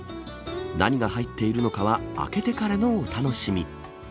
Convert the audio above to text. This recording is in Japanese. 何が入っているのかは開けてからのお楽しみ。